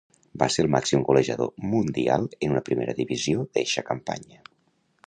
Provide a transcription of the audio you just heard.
Va ser el màxim golejador mundial en una primera divisió d'eixa campanya.